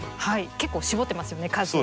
結構絞ってますよね数を。